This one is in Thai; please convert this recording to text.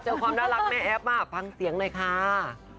ความน่ารักแม่แอฟฟังเสียงหน่อยค่ะ